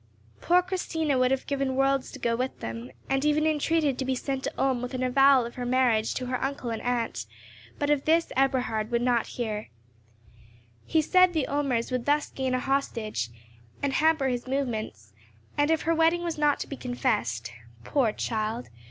Poor Christina would have given worlds to go with them, and even entreated to be sent to Ulm with an avowal of her marriage to her uncle and aunt, but of this Eberhard would not hear. He said the Ulmers would thus gain an hostage, and hamper his movements; and, if her wedding was not to be confessed—poor child!